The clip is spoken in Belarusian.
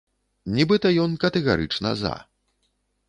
Нібыта ён катэгарычна за.